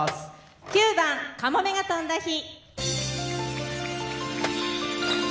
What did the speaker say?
９番「かもめが翔んだ日」。